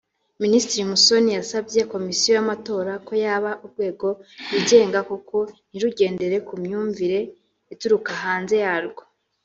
Minisitiri Musoni yasabye Komisiyo y’amatora ko yaba urwego rwigenga koko; ntirugendere ku myumvire ituruka hanze yarwo